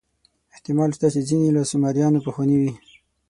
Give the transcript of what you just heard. احتمال شته چې ځینې له سومریانو پخواني وي.